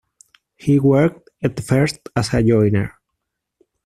He worked at first as a joiner.